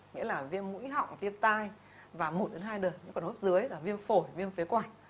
nghĩa là viêm mũi họng viêm tai và một hai đợt những bệnh hốp dưới là viêm phổi viêm phế quả